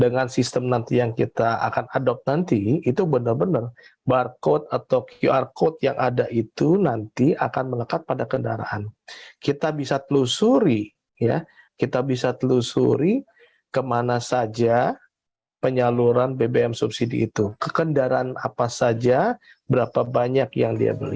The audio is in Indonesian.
dengan sistem nanti yang kita akan adopt nanti itu bener bener barcode atau qr code yang ada itu nanti akan menekat pada kendaraan kita bisa telusuri ya kita bisa telusuri kemana saja penyaluran bbm subsidi itu ke kendaraan apa saja berapa banyak yang dia beli